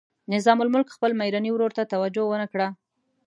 نظام الملک خپل میرني ورور ته توجه ونه کړه.